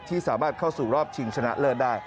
ที่สามารถเข้าสู่รอบชิงชนะเลิศได้